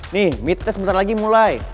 nih mid test sebentar lagi mulai